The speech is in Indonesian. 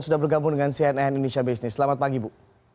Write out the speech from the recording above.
sudah bergabung dengan cnn indonesia business selamat pagi ibu